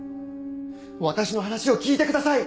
私の話を聞いてください！